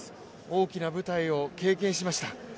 大きな舞台を経験しました、